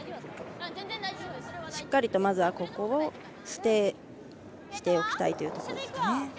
しっかりとまずはここをステイしておきたいというところですね。